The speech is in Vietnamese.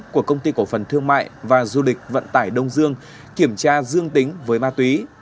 của công ty cổ phần thương mại và du lịch vận tải đông dương kiểm tra dương tính với ma túy